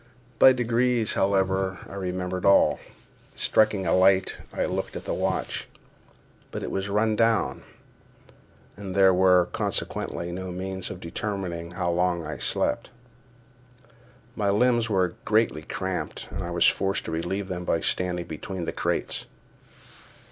By degrees, however, I remembered all. Striking a light, I looked at the watch; but it was run down, and there were, consequently, no means of determining how long I slept. My limbs were greatly cramped, and I was forced to relieve them by standing between the crates.